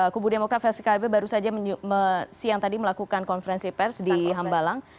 kubu demokrat versi kb baru saja siang tadi melakukan konferensi pers di hambalang